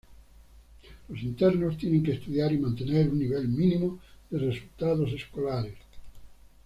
Los internos tienen que estudiar y mantener un nivel mínimo de resultados escolares.